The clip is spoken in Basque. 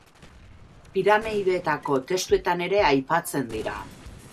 Piramideetako Testuetan ere aipatzen dira.